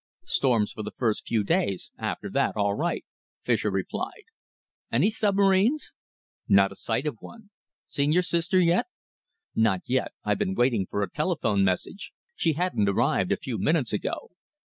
"Storms for the first few days after that all right," Fischer replied. "Any submarines?" "Not a sight of one. Seen your sister yet?" "Not yet. I've been waiting about for a telephone message. She hadn't arrived, a few minutes ago."